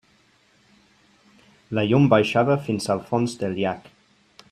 La llum baixava fins al fons del llac.